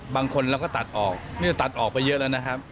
บางคนเราก็ตัดออกนี่จะตัดออกไปเยอะแล้วนะครับ